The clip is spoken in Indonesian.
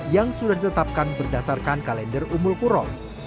yang sudah ditetapkan berdasarkan kalender umul kuroh